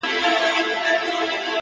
پرتكه سپينه پاڼه وڅڅېدې،